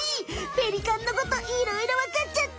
ペリカンのこといろいろわかっちゃった。